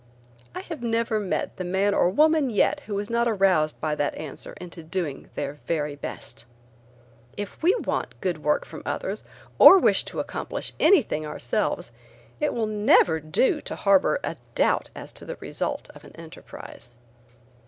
I have never met the man or woman yet who was not aroused by that answer into doing their very best. If we want good work from others or wish to accomplish anything ourselves, it will never do to harbor a doubt as to the result of an enterprise.